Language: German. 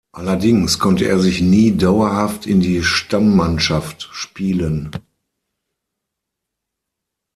Allerdings konnte er sich nie dauerhaft in die Stamm-Mannschaft spielen.